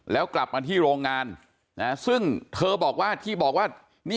แล้วกลับมาที่โรงงานซึ่งเธอบอกว่าที่บอกว่า